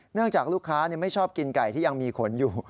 จากลูกค้าไม่ชอบกินไก่ที่ยังมีขนอยู่